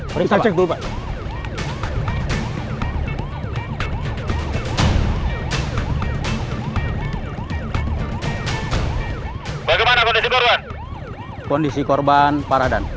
perintah cek dulu pak